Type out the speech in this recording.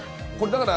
だから。